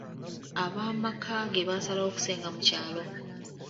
Ab'amaka ge baasalawo okusenga mu kyalo.